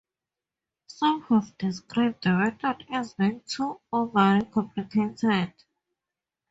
Some have described the method as being too overly complicated.